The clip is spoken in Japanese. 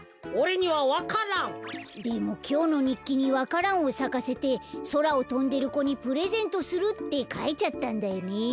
でもきょうのにっきにわか蘭をさかせてそらをとんでる子にプレゼントするってかいちゃったんだよね。